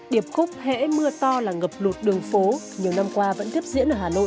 điệp khúc hễ mưa to là ngập lụt đường phố nhiều năm qua vẫn tiếp diễn ở hà nội